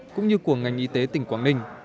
cũng như của ngành y tế tỉnh quảng ninh